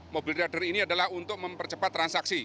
mobil rider ini adalah untuk mempercepat transaksi